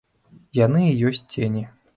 Яны і ёсць цені.